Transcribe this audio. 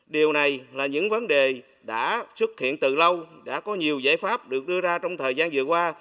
điều này là những vấn đề đã xuất hiện từ lâu đã có nhiều giải pháp được đưa ra trong thời gian vừa qua